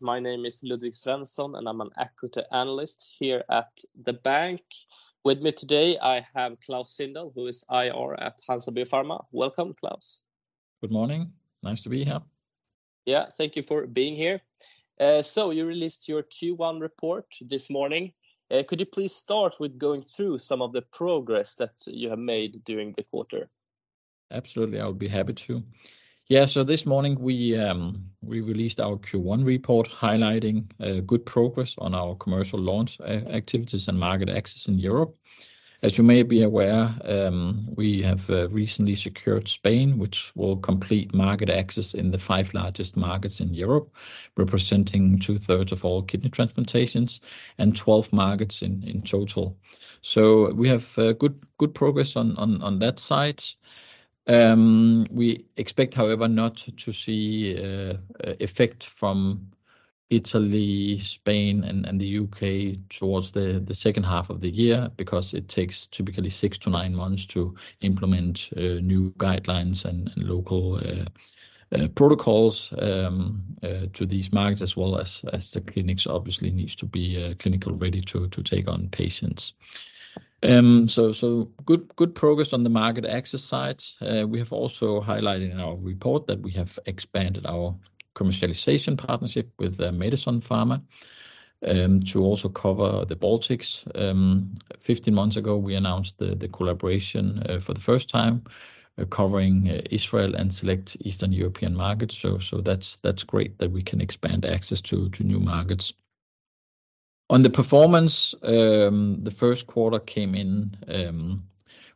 ...My name is Ludvig Svensson, and I'm an equity analyst here at the bank. With me today, I have Klaus Sindahl, who is IR at Hansa Biopharma. Welcome, Klaus. Good morning. Nice to be here. Yeah, thank you for being here, so you released your Q1 report this morning. Could you please start with going through some of the progress that you have made during the quarter? Absolutely, I would be happy to. Yeah, so this morning, we released our Q1 report, highlighting good progress on our commercial launch activities and market access in Europe. As you may be aware, we have recently secured Spain, which will complete market access in the five largest markets in Europe, representing 2/3 of all kidney transplantations and 12 markets in total. So we have good progress on that side. We expect, however, not to see effect from Italy, Spain, and the UK towards the second half of the year, because it takes typically six to nine months to implement new guidelines and local protocols to these markets, as well as the clinics obviously needs to be clinical ready to take on patients. So, so good progress on the market access side. We have also highlighted in our report that we have expanded our commercialization partnership with Medison Pharma to also cover the Baltics. Fifteen months ago, we announced the collaboration for the first time, covering Israel and select Eastern European markets. So, that's great that we can expand access to new markets. On the performance, the first quarter came in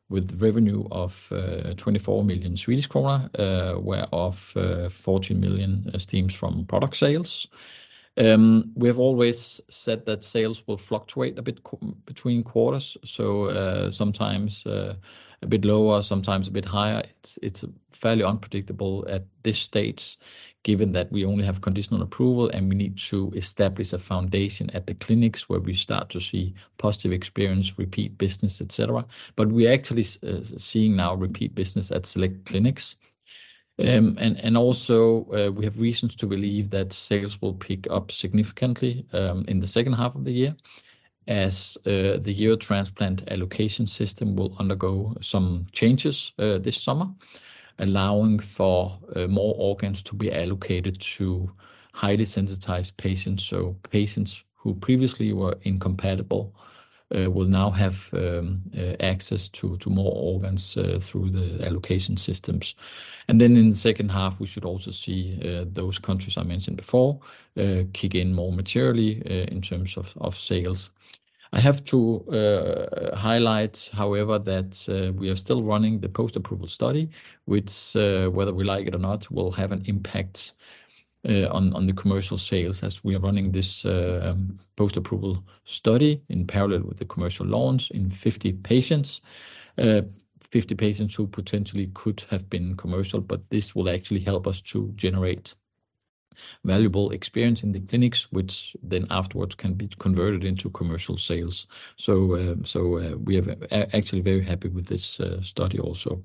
with revenue of 24 million Swedish kronor, whereof 14 million from product sales. We have always said that sales will fluctuate a bit between quarters, so sometimes a bit lower, sometimes a bit higher. It's fairly unpredictable at this stage, given that we only have conditional approval, and we need to establish a foundation at the clinics where we start to see positive experience, repeat business, et cetera, but we're actually seeing now repeat business at select clinics, and also, we have reasons to believe that sales will pick up significantly in the second half of the year, as the Eurotransplant allocation system will undergo some changes this summer, allowing for more organs to be allocated to highly sensitized patients, so patients who previously were incompatible will now have access to more organs through the allocation systems, and then in the second half, we should also see those countries I mentioned before kick in more materially in terms of sales. I have to highlight, however, that we are still running the post-approval study, which whether we like it or not, will have an impact on the commercial sales as we are running this post-approval study in parallel with the commercial launch in 50 patients. 50 patients who potentially could have been commercial, but this will actually help us to generate valuable experience in the clinics, which then afterwards can be converted into commercial sales. So we are actually very happy with this study also.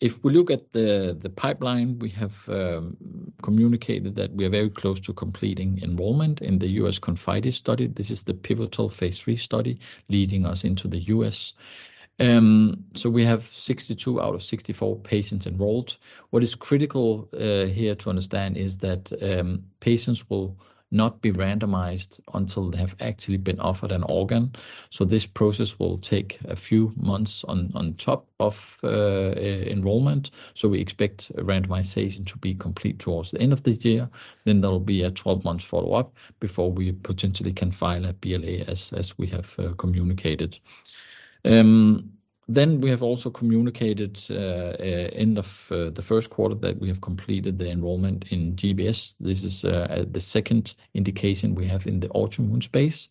If we look at the pipeline, we have communicated that we are very close to completing enrollment in the US ConfIdeS study. This is the pivotal phase 3 study leading us into the US. We have 62 out of 64 patients enrolled. What is critical here to understand is that patients will not be randomized until they have actually been offered an organ. So this process will take a few months on top of enrollment. So we expect a randomization to be complete towards the end of this year. Then there will be a 12 month follow-up before we potentially can file a BLA, as we have communicated. Then we have also communicated end of the first quarter that we have completed the enrollment in GBS. This is the second indication we have in the autoimmune space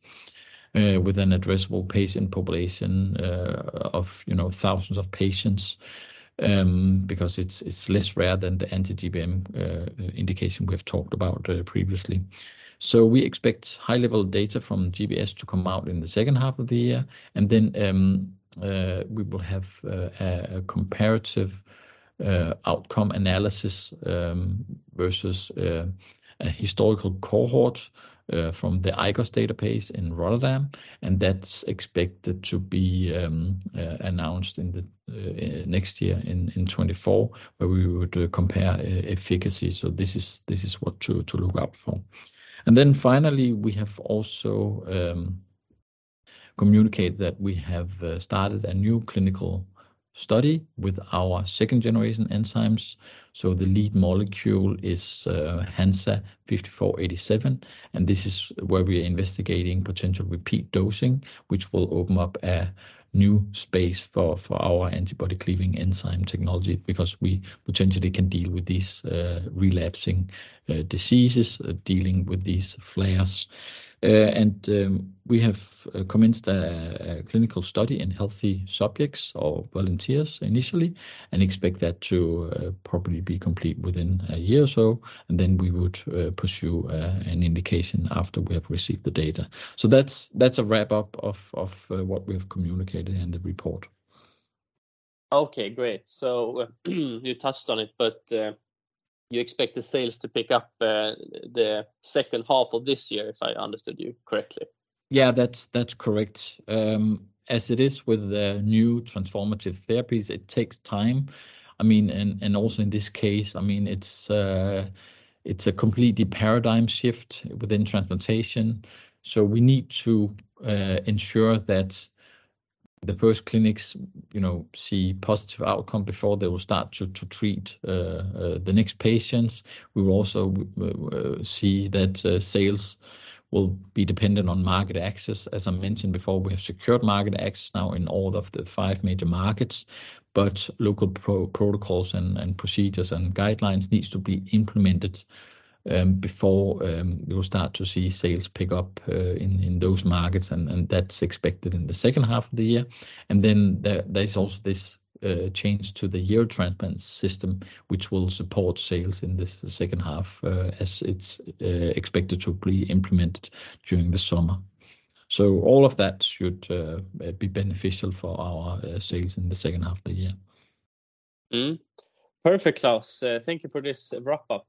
with an addressable patient population of you know thousands of patients because it's less rare than the Anti-GBM indication we've talked about previously. So we expect high-level data from GBS to come out in the second half of the year, and then we will have a comparative outcome analysis versus a historical cohort from the IGOS database in Rotterdam, and that's expected to be announced in the next year in twenty-four, where we would compare efficacy. This is what to look out for. And then finally, we have also communicate that we have started a new clinical study with our second-generation enzymes. So the lead molecule is HNSA-5487, and this is where we are investigating potential repeat dosing, which will open up a new space for our antibody cleaving enzyme technology, because we potentially can deal with these relapsing diseases, dealing with these flares. We have commenced a clinical study in healthy subjects or volunteers initially, and expect that to probably be complete within a year or so, and then we would pursue an indication after we have received the data. So that's a wrap-up of what we have communicated in the report. Okay, great. So you touched on it, but, you expect the sales to pick up, the second half of this year, if I understood you correctly? Yeah, that's correct. As it is with the new transformative therapies, it takes time. I mean, and also in this case, I mean, it's a completely paradigm shift within transplantation, so we need to ensure that the first clinics, you know, see positive outcome before they will start to treat the next patients. We will also see that sales will be dependent on market access. As I mentioned before, we have secured market access now in all of the five major markets, but local protocols and procedures and guidelines needs to be implemented before we will start to see sales pick up in those markets, and that's expected in the second half of the year. And then there, there's also this change to the Eurotransplant system, which will support sales in this second half, as it's expected to be implemented during the summer. So all of that should be beneficial for our sales in the second half of the year. Mm-hmm. Perfect, Klaus. Thank you for this wrap-up.